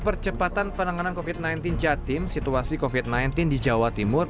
percepatan penanganan covid sembilan belas jatim situasi covid sembilan belas di jawa timur